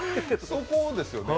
そこですよね。